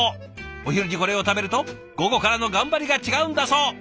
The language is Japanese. お昼にこれを食べると午後からの頑張りが違うんだそう。